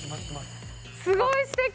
すごいすてき。